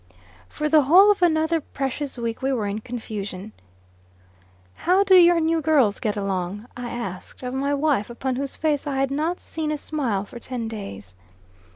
For the whole of another precious week we were in confusion. "How do your new girls get along?" I asked of my wife, upon whose face I had not seen a smile for ten days.